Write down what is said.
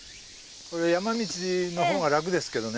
山道の方が楽ですけどね。